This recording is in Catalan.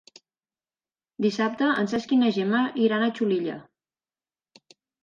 Dissabte en Cesc i na Gemma iran a Xulilla.